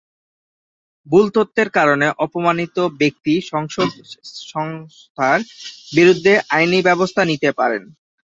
ভুল তথ্যের কারণে অপমানিত ব্যক্তি সংবাদ সংস্থার বিরুদ্ধে আইনি ব্যবস্থা নিতে পারে।